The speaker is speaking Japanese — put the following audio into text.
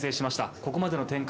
ここまでの展開